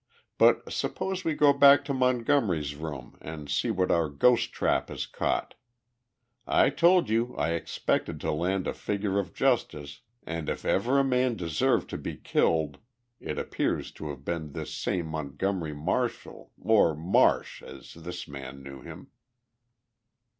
"But suppose we go back to Montgomery's room and see what our ghost trap has caught. I told you I expected to land a figure of Justice and if ever a man deserved to be killed it appears to have been this same Montgomery Marshall, or Marsh, as this man knew him."